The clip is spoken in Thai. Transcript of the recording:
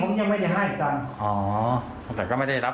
หลังจากนั้นมันเกิดการละห่อระแห่งกันมาด้วยใช่ไหมครับ